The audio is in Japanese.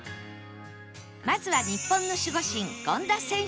まずは日本の守護神権田選手